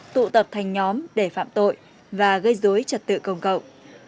tụ tập thành nhóm để phạm tội và gây dối trật tự công cộng